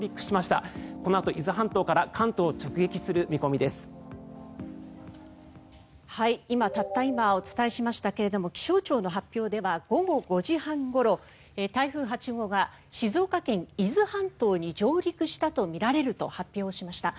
たった今お伝えしましたけれども気象庁の発表では午後５時半ごろ台風８号が静岡県・伊豆半島に上陸したとみられると発表しました。